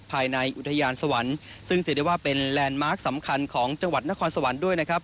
ภายในอุทยานสวรรค์ซึ่งถือได้ว่าเป็นแลนด์มาร์คสำคัญของจังหวัดนครสวรรค์ด้วยนะครับ